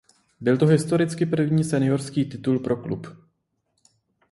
Byl to historicky první seniorský titul pro klub.